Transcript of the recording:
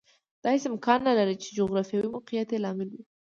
دا هېڅ امکان نه لري چې جغرافیوي موقعیت یې لامل وي